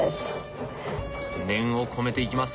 念を込めていきます。